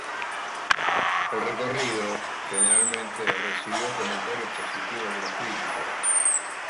El recorrido generalmente recibió comentarios positivos de los críticos.